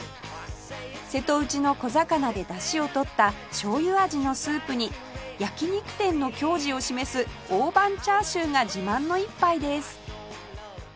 瀬戸内の小魚でだしを取った醤油味のスープに焼肉店の矜持を示す大判チャーシューが自慢の一杯です